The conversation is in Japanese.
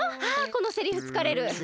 あこのセリフつかれる！